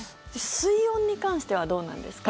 水温に関してはどうなんですか？